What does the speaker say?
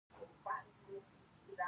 هغې وویل محبت یې د ځنګل په څېر ژور دی.